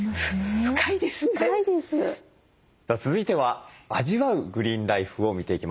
続いては味わうグリーンライフを見ていきます。